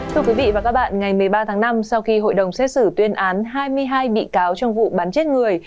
thưa quý vị và các bạn ngày một mươi ba tháng năm sau khi hội đồng xét xử tuyên án hai mươi hai bị cáo trong vụ bắn chết người